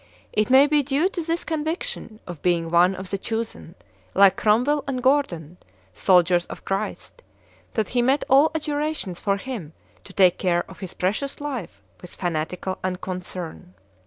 It may be due to this conviction of being one of the chosen, like Cromwell and Gordon, soldiers of Christ, that he met all adjurations for him to take care of his precious life with fanatical unconcern.